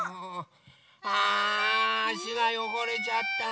ああしがよごれちゃった。